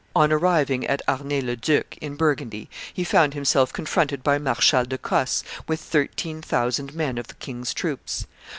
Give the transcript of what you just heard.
On arriving at Arnay le Duc, in Burgundy, he found himself confronted by Marshal de Cosse with thirteen thousand men of the king's troops.